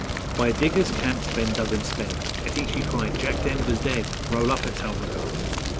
_By diggers' camps Ben Duggan sped At each he cried, 'Jack Denver's dead! Roll up at Talbragar!'